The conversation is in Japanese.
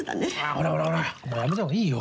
ほらほらほら、もうやめたほうがいいよ。